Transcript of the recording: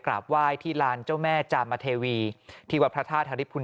กราบไหว้ที่ลานเจ้าแม่จามเทวีที่วัดพระธาตุธริพุน